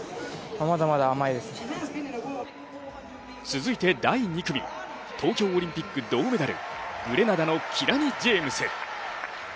続いて第２組、東京オリンピック銅メダル、グレナダのキラニ・ジェームス。